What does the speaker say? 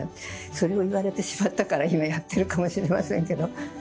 それを言われてしまったから今やってるかもしれませんけど。